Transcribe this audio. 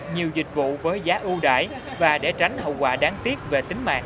nhiều dịch vụ với giá ưu đải và để tránh hậu quả đáng tiếc về tính mạng